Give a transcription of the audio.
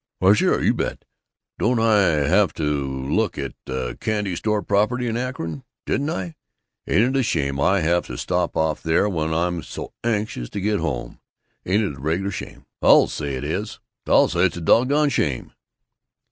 "Why, sure, you bet! Don't I have to go look at that candy store property in Akron? Don't I? Ain't it a shame I have to stop off there when I'm so anxious to get home? Ain't it a regular shame? I'll say it is! I'll say it's a doggone shame!"